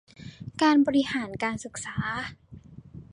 การบริหารการศึกษา